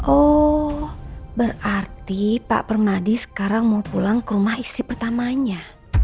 oh berarti pak permadi sekarang mau pulang ke rumah istri pertamanya